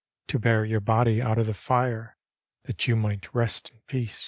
To bear your body out of the fire That you might rest in peace."